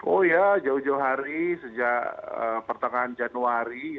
oh ya jauh jauh hari sejak pertengahan januari